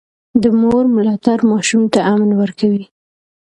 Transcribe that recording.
د مور ملاتړ ماشوم ته امن ورکوي.